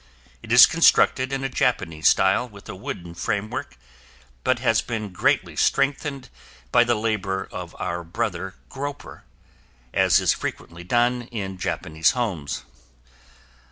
It is constructed in a Japanese style with a wooden framework, but has been greatly strengthened by the labor of our Brother Gropper as is frequently done in Japanese homes.